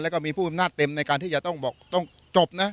แล้วก็มีผู้อำนาจเต็มในการที่จะต้องบอกต้องจบนะ